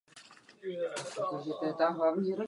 Paříž se tak po Vídni stala jeho nejdůležitějším působištěm.